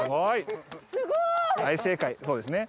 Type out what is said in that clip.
そうですね